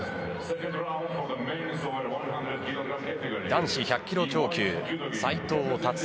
男子１００キロ超級斉藤立。